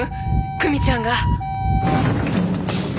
久美ちゃんが！